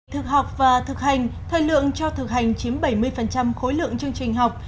thực học và thực hành thời lượng cho thực hành chiếm bảy mươi khối lượng chương trình học